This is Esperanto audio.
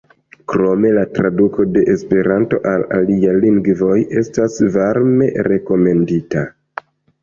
Krome, la traduko de Esperanto al aliaj lingvoj estas varme rekomendita.